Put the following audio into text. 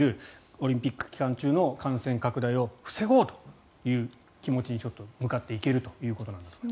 オリンピック期間中の感染拡大を防ごうという気持ちにちょっと向かっていけるということなんですね。